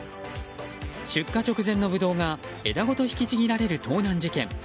出荷直前のブドウが枝ごと引きちぎられる盗難事件。